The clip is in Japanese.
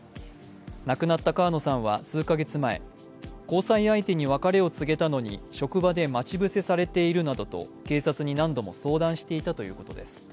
亡くなった川野さんは数か月前、交際相手に別れを告げたのに職場で待ち伏せされているなどと警察に何度も相談していたということです。